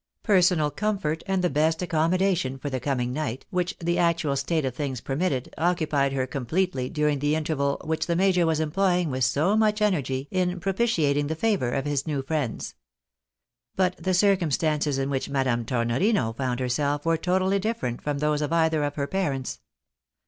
Personal comfort and the best accommodation for the coming night, which the actual state of things permitted, occupied her ;''impletely during the inter TT S22 THE BAENABYS IN AMEEICA. val wliicli the major was employing with so much energy in pro pitiating the favour of his new friends. But the circumstances in which Madame Tornorino found herself were totally different from those of either of her parents.